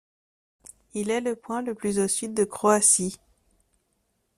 Il est le point le plus au sud de Croatie.